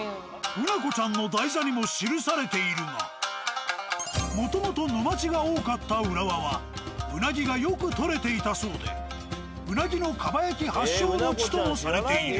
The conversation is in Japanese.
うなこちゃんの台座にも記されているがもともと沼地が多かった浦和はうなぎがよく取れていたそうでうなぎの蒲焼き発祥の地ともされている。